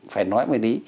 phải nói về lý